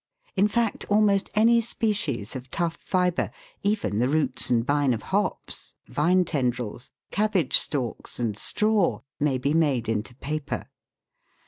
In fact, almost any species of tough fibre, even the roots and bine of hops, vine tendrils, cabbage stalks, and straw, may be made into paper.